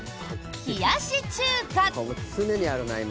冷やし中華。